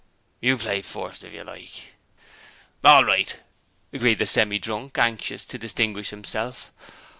'You play first if you like.' 'All right,' agreed the Semi drunk, anxious to distinguish himself.